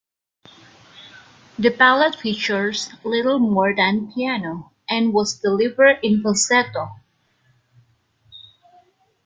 The ballad features little more than piano, and was delivered in falsetto.